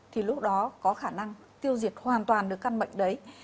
thì lúc đó có khả năng tiêu diệt hoàn toàn được căn bệnh đấy